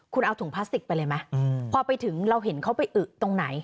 คุณเอาถุงพลาสติกไปเลยไหมพอไปถึงเราเห็นเขาไปอึตรงไหน